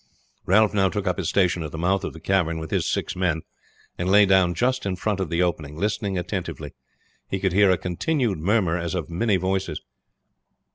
Ralph now took up his station at the mouth of the cavern with his six men, and lay down just in front of the opening listening attentively. He could hear a continued murmur as of many voices.